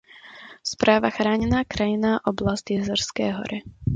Správa Chráněná krajinná oblast Jizerské hory.